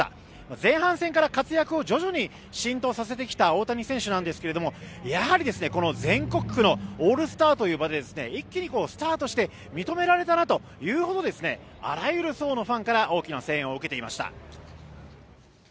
前半戦から活躍を徐々に浸透させてきた大谷選手なんですがやはりこの全国区のオールスターという場で一気にスターとして認められたなというほどあらゆる層のファンから大きな声援を受けていました。